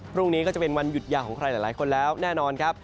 พรุ่งนี้ก็จะเป็นวันหยุดยาวของใครหลายคนแล้วแน่นอนครับ